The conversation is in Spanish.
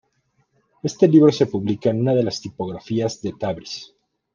Este libro se publica en una de las tipografías de Tabriz.